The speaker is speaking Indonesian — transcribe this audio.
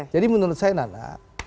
jadi menurut saya nana